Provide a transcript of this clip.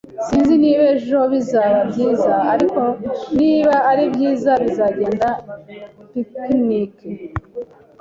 Sinzi niba ejo bizaba byiza, ariko niba ari byiza tuzagenda picnic.